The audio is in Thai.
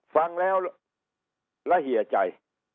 ฟังแล้วละเหี่ยใจ